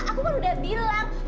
aku kan udah bilang